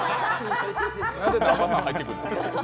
なんで南波さん入ってくんの。